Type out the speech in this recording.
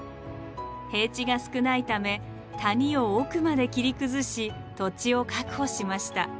平地が少ないため谷を奥まで切り崩し土地を確保しました。